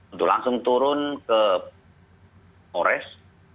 untuk langsung turun ke pores